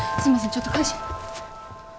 ちょっと会社。